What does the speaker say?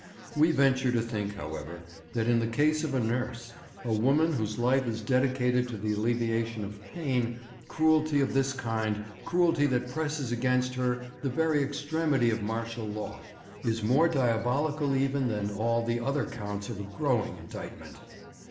We venture to think, however, that in the case of a nurse, a woman whose life is dedicated to the alleviation of pain, cruelty of this kind, cruelty that presses against her the very extremity of martial law, is more diabolical even than all the other counts of a growing indictment.